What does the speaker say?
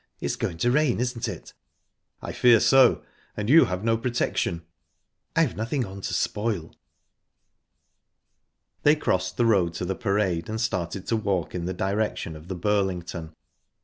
It's going to rain, isn't it?" "I fear so and you have no protection." "I've nothing on to spoil." They crossed the road to the Parade, and started to walk in the direction of the Burlington.